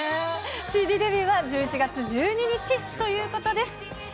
ＣＤデビューは、１１月１２日ということです。